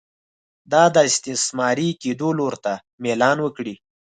دا د استثماري کېدو لور ته میلان وکړي.